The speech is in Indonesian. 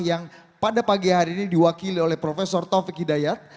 yang pada pagi hari ini diwakili oleh prof taufik hidayat